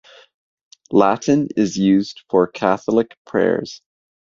Latin is used for Catholic prayers.